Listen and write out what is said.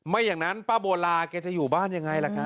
อย่างนั้นป้าโบลาแกจะอยู่บ้านยังไงล่ะครับ